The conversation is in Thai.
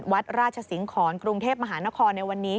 วัดราชสิงหอนกรุงเทพมหานครในวันนี้